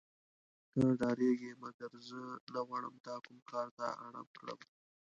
ته ډارېږې مګر زه نه غواړم تا کوم کار ته اړ کړم.